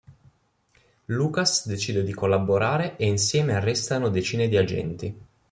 Lucas decide di collaborare e insieme arrestano decine di agenti.